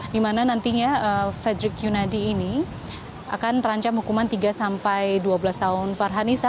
di mana nantinya fredrik yunadi ini akan terancam hukuman tiga sampai dua belas tahun farhanisa